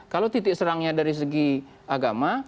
kalau titik serangnya dari segi agama